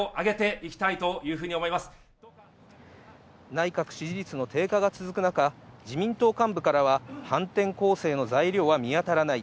内閣支持率の低下が続く中、自民党幹部からは反転攻勢の材料は見当たらない。